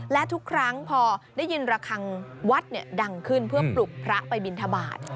และทุกครั้งพอได้ยินระคังวัดดังขึ้นเพื่อปลุกพระไปบินทบาท